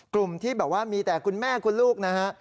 กลุ่มที่แบบว่ามีแต่คุณแม่คุณลูกนะฮะ